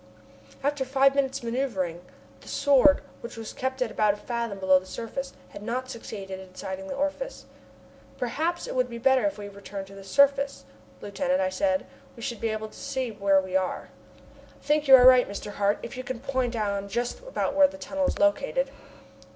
After five minutes' manoeuvring, the Sword, which was kept at about a fathom below the surface, had not succeeded in sighting the orifice. "Perhaps it would be better to return to the surface, Lieutenant," I said. "We should then be able to see where we are." "I think you are right, Mr. Hart, if you can point out just about where the tunnel is located."